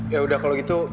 yaudah kalo gitu